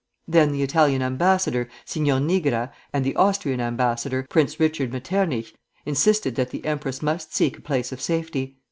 Then the Italian ambassador, Signor Nigra, and the Austrian ambassador, Prince Richard Metternich, insisted that the empress must seek a place of safety.